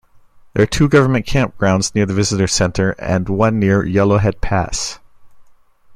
There are two government campgrounds near the Visitor Centre and one near Yellowhead Pass.